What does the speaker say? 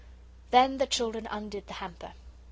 Then the children undid the hamper.